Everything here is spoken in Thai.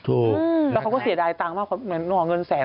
ถูกแล้วเขาก็เสียดายตังค์มากเขาเหมือนห่อเงินแสน